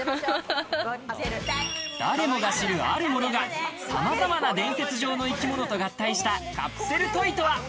誰もが知る、あるものが、さまざまな伝説上の生き物と合体したカプセルトイとは？